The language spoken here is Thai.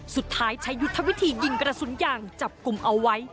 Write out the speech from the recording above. สุดท้ายใช้ยุทธวิธียิงกระสุนยางจับกลุ่มเอาไว้